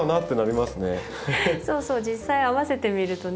そうそう実際合わせてみるとね。